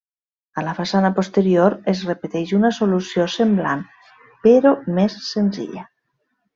A la façana posterior es repeteix una solució semblant però més senzilla.